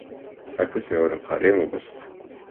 საქმის მეორე მხარეა მოპასუხე.